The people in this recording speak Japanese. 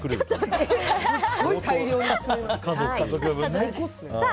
すごい大量に作れますね。